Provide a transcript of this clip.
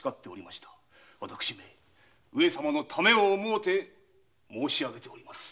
私め上様のためを思うて申し上げております。